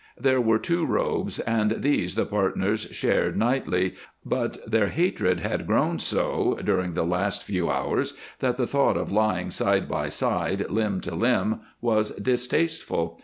There were two robes and these the partners shared nightly, but their hatred had grown so during the past few hours that the thought of lying side by side, limb to limb, was distasteful.